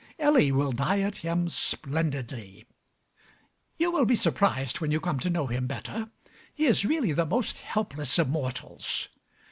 Ellie will diet him splendidly. You will be surprised when you come to know him better: he is really the most helpless of mortals.